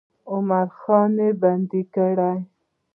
عمرا خان یې بندي کړ.